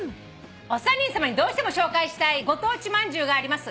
「お三人さまにどうしても紹介したいご当地まんじゅうがあります。